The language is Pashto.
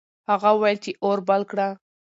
هغه وویل چې اور بل کړه.